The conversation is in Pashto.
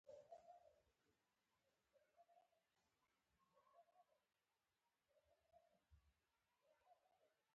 دا د خدای د فاعلیت د کمرنګه کولو معنا لري.